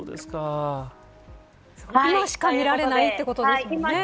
今しか見られないってことですよね。